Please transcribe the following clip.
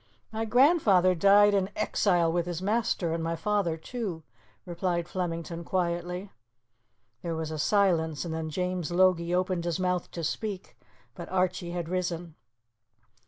"My grandfather died in exile with his master, and my father too," replied Flemington quietly. There was a silence, and then James Logie opened his mouth to speak, but Archie had risen.